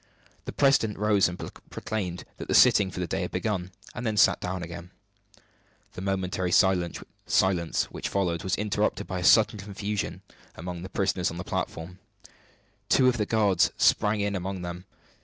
The president rose and proclaimed that the sitting for the day had begun; then sat down again. The momentary silence which followed was interrupted by a sudden confusion among the prisoners on the platform. Two of the guards sprang in among them.